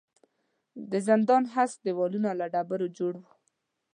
د زندان هسک دېوالونه له ډبرو جوړ وو.